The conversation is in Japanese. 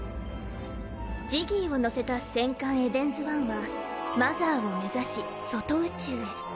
ジギーを乗せた戦艦エデンズワンはマザーを目指し外宇宙へ。